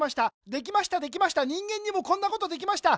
できましたできました人間にもこんなことできました。